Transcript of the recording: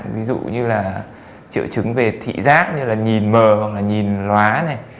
ví dụ như là triệu chứng về thị giác như là nhìn mờ hoặc là nhìn lóa này